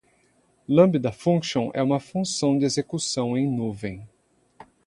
Lambda Function é uma função de execução em nuvem.